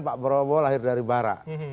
pak prabowo lahir dari barat